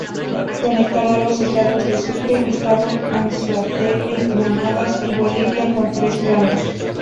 Conectará a los estados de Sucre, Estado Anzoátegui, Monagas y Bolívar con tres tramos.